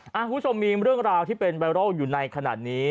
คุณผู้ชมมีเรื่องราวที่เป็นไวรัลอยู่ในขณะนี้